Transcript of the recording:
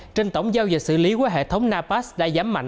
trên tổng giao dịch xử lý của hệ thống napas đã giám mạnh